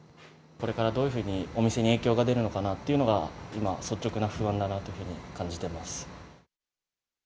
これからどういうふうにお店に影響が出るのかなっていうのが今、率直な不安だなというふうに感じています。